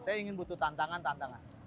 saya ingin butuh tantangan tantangan